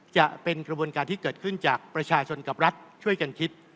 จะเป็นกระบวนการที่เกิดขึ้นจากประชาชนกับรัฐช่วยกันคิด